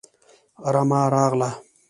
رمه راغله